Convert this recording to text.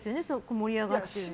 盛り上がってるの。